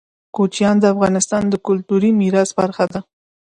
کوچیان د افغانستان د کلتوري میراث برخه ده.